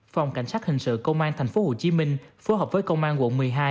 phòng cảnh sát hình sự công an tp hcm phối hợp với công an quận một mươi hai